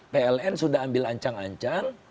pln sudah ambil ancang ancang